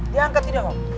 diangkat tidak om